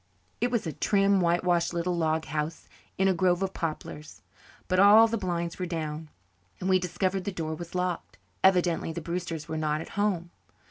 It was a trim, white washed little log house in a grove of poplars. But all the blinds were down and we discovered the door was locked. Evidently the Brewsters were not at home.